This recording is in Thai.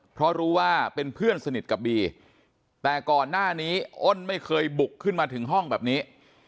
เพราะรู้ว่าเป็นเพื่อนสนิทกับบีแต่ก่อนหน้านี้อ้นไม่เคยบุกขึ้นมาถึงห้องแบบนี้